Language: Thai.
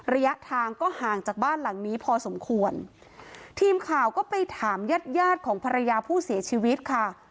ระยะทางก็ห่างจากบ้านหลังนี้พอสมควรทีมข่าวก็ไปถามญาติญาติของภรรยาผู้เสียชีวิตค่ะ